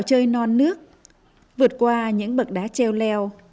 chơi non nước vượt qua những bậc đá treo leo